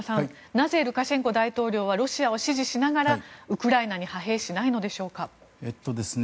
なぜルカシェンコ大統領はロシアを支持しながらウクライナに派兵しないのでしょうか。